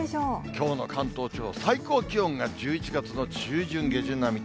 きょうの関東地方、最高気温が１１月の中旬、下旬並み。